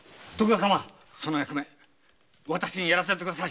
その役目私にやらせて下さい。